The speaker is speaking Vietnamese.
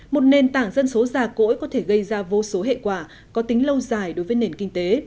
một nền tảng dân số già cỗi có thể gây ra vô số hệ quả có tính lâu dài đối với nền kinh tế